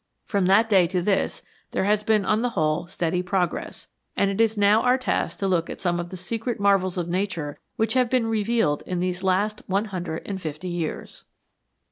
From that day to this there has been on the whole steady progress, and it is now our task to look at some of the secret marvels of Nature which have been revealed in these last one hundred and fifty years.